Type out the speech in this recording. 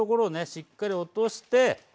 しっかり落として。